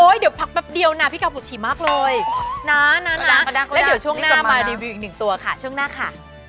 เดี๋ยวพักแป๊บเดียวนะพี่กาบุชิมากเลยนะแล้วเดี๋ยวช่วงหน้ามารีวิวอีกหนึ่งตัวค่ะช่วงหน้าค่ะ